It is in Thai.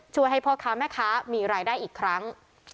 ช่วยให้พ่อค้าแม่ค้ามีรายได้อีกครั้ง